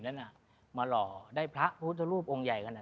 ท่านมีหมายนะ